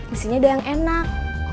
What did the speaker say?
isinya udah yang enak